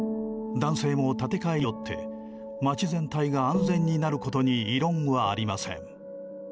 男性も建て替えによって街全体が安全になることに異論はありません。